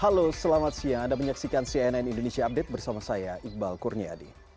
halo selamat siang anda menyaksikan cnn indonesia update bersama saya iqbal kurniadi